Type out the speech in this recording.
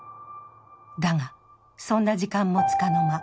だが、そんな時間もつかの間。